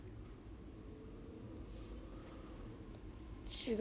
違う。